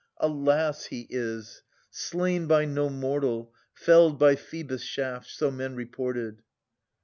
Alas ! he is, Slain by no mortal, felled by Phoebus' shaft : So men reported.